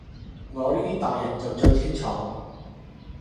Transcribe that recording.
我呢啲大人就最清楚